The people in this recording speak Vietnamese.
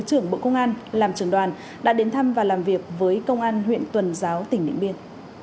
thượng tướng bộ công an làm trưởng đoàn đã đến thăm và làm việc với công an huyện tuần giáo tỉnh điện biên